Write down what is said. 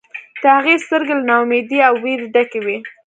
د هغې سترګې له نا امیدۍ او ویرې ډکې وې